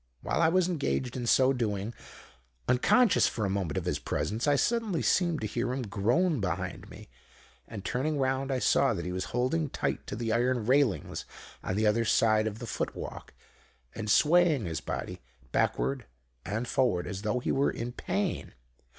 While I was engaged in so doing, unconscious for a moment of his presence, I suddenly seemed to hear him groan behind me; and turning round I saw that he was holding tight to the iron railings on the other side of the foot walk, and swaying his body backward and forward, as though he were in pain.